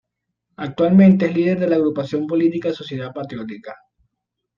Actualmente es líder de la agrupación política Sociedad Patriótica.